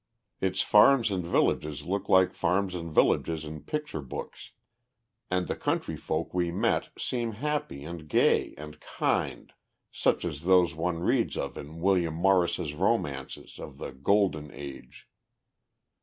Its farms and villages look like farms and villages in picture books, and the country folk we met seemed happy and gay and kind, such as those one reads of in William Morris's romances of the golden age.